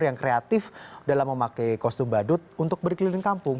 yang kreatif dalam memakai kostum badut untuk berkeliling kampung